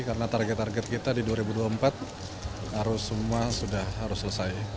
karena target target kita di dua ribu dua puluh empat harus semua sudah harus selesai